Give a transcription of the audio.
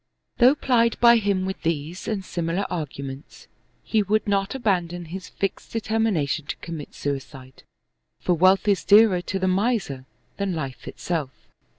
Though plied by him with these and similar arguments, he would not abandon his fixed deter mination to commit suicide, for wealth is dearer to the miser than life itself.